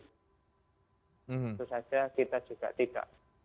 tentu saja kita juga tidak